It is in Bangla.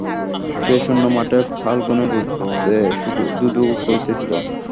সেই শূন্য মাঠ ফাল্গুনের রৌদ্রে ধুধু করিতেছিল।